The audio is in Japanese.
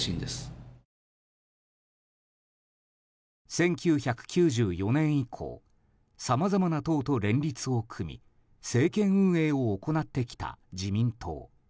１９９４年以降さまざまな党と連立を組み政権運営を行ってきた自民党。